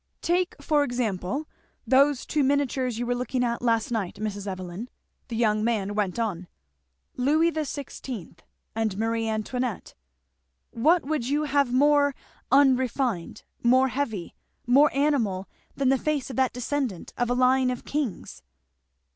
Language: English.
"Take for example those two miniatures you were looking at last night, Mrs. Evelyn," the young man went on; "Louis XVI. and Marie Antoinette what would you have more unrefined, more heavy, more animal, than the face of that descendant of a line of kings?"